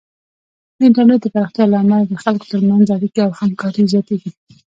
د انټرنیټ د پراختیا له امله د خلکو ترمنځ اړیکې او همکاري زیاتېږي.